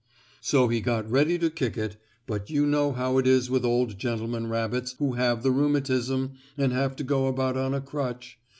So he got ready to kick it, but you know how it is with old gentlemen rabbits who have the rheumatism and have to go about on a crutch.